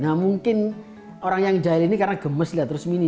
nah mungkin orang yang jahil ini karena gemes lihat terus mini